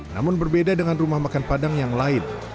namun berbeda dengan rumah makan padang yang lain